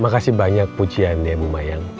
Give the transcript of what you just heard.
makasih banyak pujian ya bu mayang